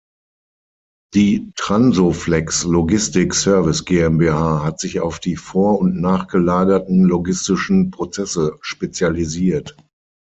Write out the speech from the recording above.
Die trans-o-flex Logistik-Service GmbH hat sich auf die vor- und nachgelagerten logistischen Prozesse spezialisiert.